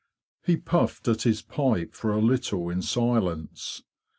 He puffed at his pipe for a little in silence.